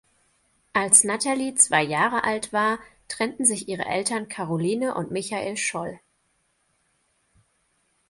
Als Nathalie zwei Jahre alt war, trennten sich ihre Eltern Caroline und Michael Scholl.